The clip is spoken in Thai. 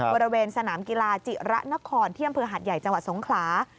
บริเวณสนามกีฬาจิระนครเที่ยมพื้นหาดใหญ่จสงขลา